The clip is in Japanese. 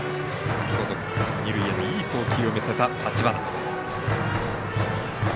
先ほど二塁へのいい送球を見せた立花。